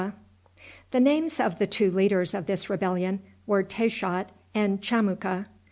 The names of the two leaders of this rebellion were Taychot and Chamuka.